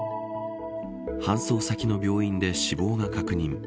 搬送先の病院で死亡が確認。